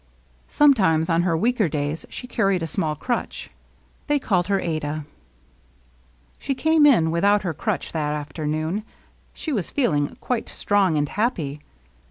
Sometimes, on her weaker days, she carried a small crutch. They called her Adah. 6 LOVELINESS. She came in without her crutch that afternoon ; she was feeling quite strong and happy.